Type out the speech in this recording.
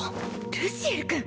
ルシエル君！